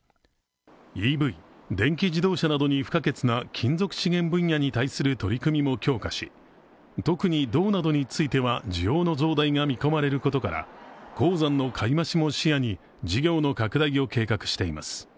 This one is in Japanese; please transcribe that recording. ＥＶ＝電気自動車などに不可欠な金属資源分野に対する取り組みも強化し、特に銅などについては需要の増大が見込まれることから鉱山の買い増しも視野に事業の拡大を計画しています。